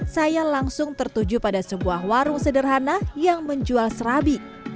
saya langsung tertuju pada sebuah warung sederhana yang menjual serabi